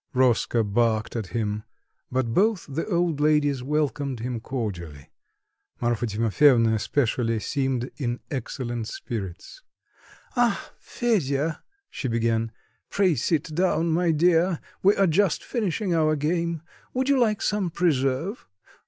Roska barked at him; but both the old ladies welcomed him cordially. Marfa Timofyevna especially seemed in excellent spirits. "Ah! Fedya!" she began, "pray sit down, my dear. We are just finishing our game. Would you like some preserve?